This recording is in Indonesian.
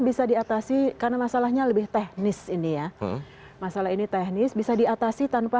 bisa diatasi karena masalahnya lebih teknis ini ya masalah ini teknis bisa diatasi tanpa